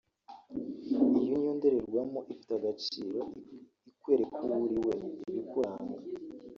Iyo niyo ndorerwamo ifite agaciro ikwereka uwo uri we (ibikuranga)